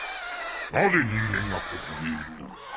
なぜ人間がここにいる。